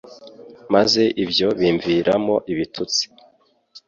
maze ibyo bimviramo ibitutsi